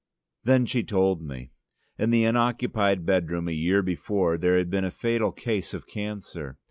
Then she told me. In the unoccupied bedroom a year before there had been a fatal case of cancer.